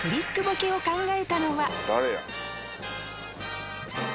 誰や？